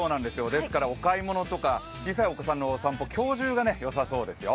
ですからお買い物とか小さい子供さんのお散歩とか今日の方がよさそうですよ。